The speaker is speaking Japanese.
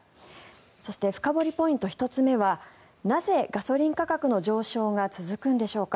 そして深掘りポイント１つ目はなぜガソリン価格の上昇が続くんでしょうか。